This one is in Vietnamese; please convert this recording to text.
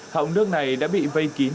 họng nước này đã bị vây kín